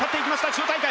千代大海